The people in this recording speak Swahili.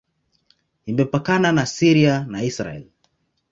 Imepakana na Syria na Israel.